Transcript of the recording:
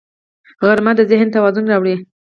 غرمه د ذهن توازن راوړي